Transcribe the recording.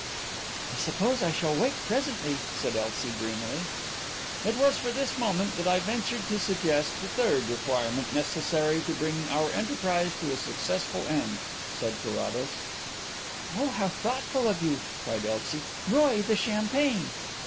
"I suppose I shall wake presently," said Elsie dreamily. "It was for this moment that I ventured to suggest the third requirement necessary to bring our enterprise to a successful end," said Carrados. "Oh, how thoughtful of you!" cried Elsie. "Roy, the champagne."